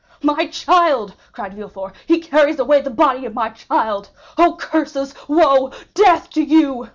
"My child," cried Villefort, "he carries away the body of my child! Oh, curses, woe, death to you!"